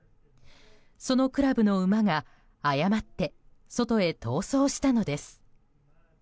そのクラブの馬が誤って外へ逃走したのです。